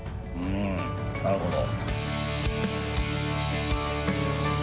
うんなるほど。